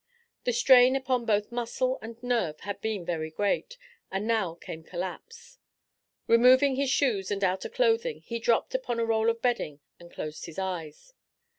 The strain upon both muscle and nerve had been very great, and now came collapse. Removing his shoes and outer clothing he dropped upon a roll of bedding and closed his eyes.